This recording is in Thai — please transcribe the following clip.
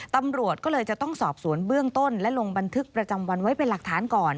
ตำรวจก็เลยจะต้องสอบสวนเบื้องต้นและลงบันทึกประจำวันไว้เป็นหลักฐานก่อน